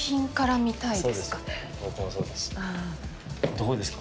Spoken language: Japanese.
どうですか？